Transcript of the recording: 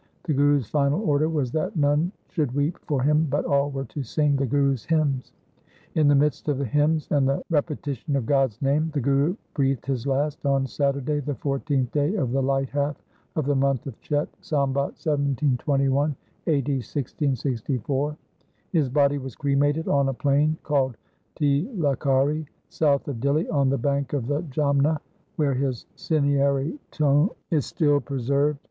The Guru's final order was that none should weep for him, but all were to sing the Gurus' hymns. In the midst of the hymns and the repetition of God's name, the Guru breathed his last on Saturday, the fourteenth day of the light half of the month of Chet, Sambat 1721 (a. d. 1664). His body was cremated on a plain called Tilokhari south of Dihli on the bank of the Jamna, where his cinerary tomb is still pre served.